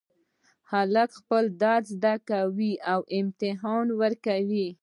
هلک خپل درس ښه زده کوي او امتحان ورکوي